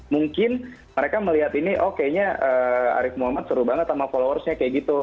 mungkin mereka melihat ini oh kayaknya arief muhammad seru banget sama followersnya kayak gitu